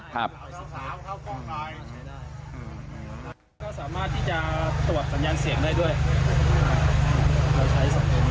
แล้วส่งสัญญาณเสียงมันสื่อสารกับผู้สมภัย